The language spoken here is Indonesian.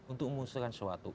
untuk memusnahkan sesuatu